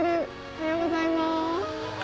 おはようございます。